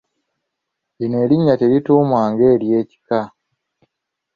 Lino erinnya terituumwa ng’ery’ekika.